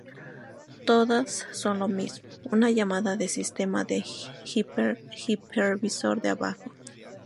Todas son lo mismo: una llamada de sistema al hipervisor de abajo.